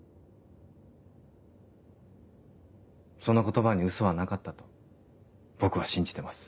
その言葉にウソはなかったと僕は信じてます。